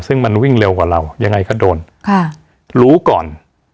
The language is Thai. ซึ่งมันวิ่งเร็วกว่าเรายังไงก็โดนค่ะรู้ก่อน